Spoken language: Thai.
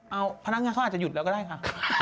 เอาพนักงานเขาอาจจะหยุดแล้วก็ได้ค่ะ